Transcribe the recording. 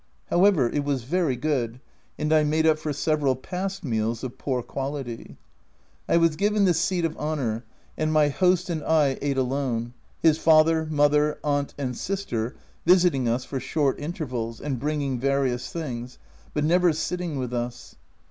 However, it was very good, and I made up for several past meals of poor quality. I was given the seat of honour, and my host and I ate alone his father, mother, aunt, and sister visiting us for short intervals, and bringing various things, but never sitting with us.